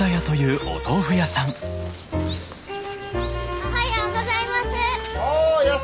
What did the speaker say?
おはようございます。